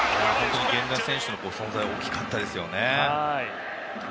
源田選手の存在は大きかったですね。